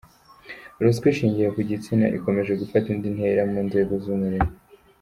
Ruswa ishingiye ku gitsina ikomeje gufata indi ntera mu nzego z’umurimo